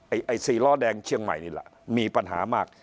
ไอ้สี่ล้อแดงเชียงใหม่นี่แหละมีปัญหามาก